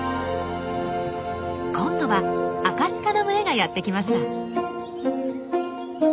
今度はアカシカの群れがやって来ました。